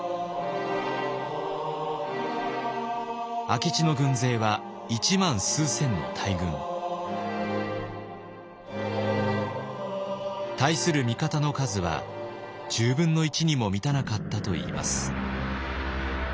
明智の軍勢は一万数千の大軍。対する味方の数は１０分の１にも満たなかったといいます。